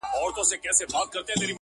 د غم قصه سړی خورا مات کړي.